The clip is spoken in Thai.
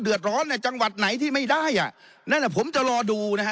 เดือดร้อนในจังหวัดไหนที่ไม่ได้อ่ะนั่นอ่ะผมจะรอดูนะฮะ